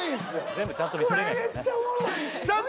全部ちゃんと見せれないからね